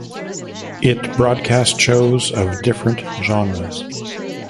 It broadcast shows of different genres.